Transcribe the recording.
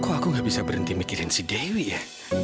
kok aku gak bisa berhenti mikirin si dewi ya